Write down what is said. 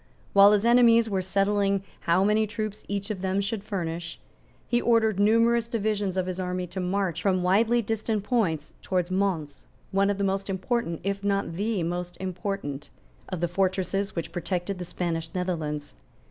While his enemies were settling how many troops each of them should furnish, he ordered numerous divisions of his army to march from widely distant points towards Mons, one of the most important, if not the most important, of the fortresses which protected the Spanish Netherlands.